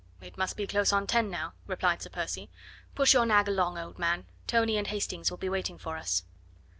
"It must be close on ten now," replied Sir Percy. "Push your nag along, old man. Tony and Hastings will be waiting for us."